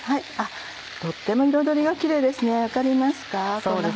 とっても彩りがきれいですね分かりますか？